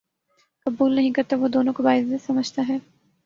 قبول نہیں کرتا وہ دونوں کو باعزت سمجھتا ہے